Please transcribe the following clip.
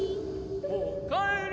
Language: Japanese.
おかえり！